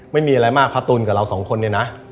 ไม่มีอะไรมากพระตุลกับเราสองคนเนี่ยนะ